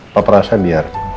papa rasa biar